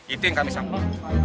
itu yang kami sanggup